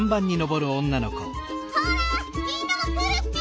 ほらみんなもくるッピ！